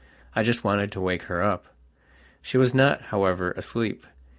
I just wanted to wake her up. She was not, however, asleep.